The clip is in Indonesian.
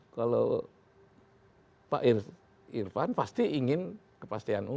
kalau pak irfan pasti ingin kepastian umum